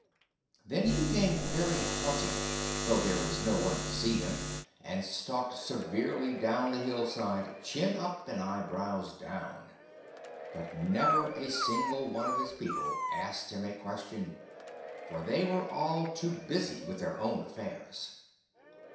Then he became very haughty, though there was no one to see him, and stalked severely down the hillside, chin up and eyebrows down. But never a single one of his people asked him a question, for they were all too busy with their own affairs.